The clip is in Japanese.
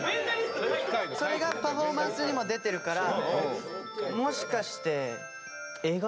それがパフォーマンスにも出てるからもしかしてＡ型？